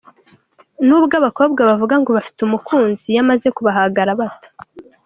Nubwo abakobwa bavuga ngo bafite "umukunzi",iyo amaze kubahaga arabata.